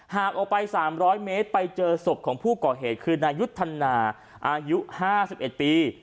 หากออกไป๓๐๐เมตรไปเจอศพของผู้ก่อเหตุคือนายุทธนาอายุ๕๑ปี